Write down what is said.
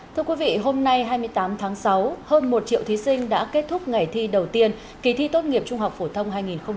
thưa quý vị hôm nay hai mươi tám tháng sáu hơn một triệu thí sinh đã kết thúc ngày thi đầu tiên kỳ thi tốt nghiệp trung học phổ thông hai nghìn hai mươi